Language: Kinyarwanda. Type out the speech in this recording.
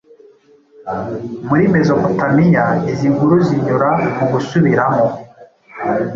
muri Mezopotamiya Izi nkuru zinyura mu gusubiramo